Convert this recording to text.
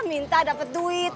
minta dapat duit